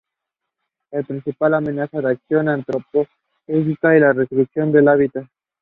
Su principal amenaza es la acción antrópica y la reducción del hábitat.